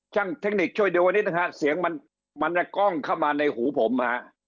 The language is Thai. ช่างเทคนิคช่วยดีกว่านี้นะคะเสียงมันจะก้องเข้ามาในหูผม